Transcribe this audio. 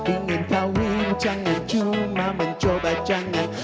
ingin kawin jangan cuma mencoba jangan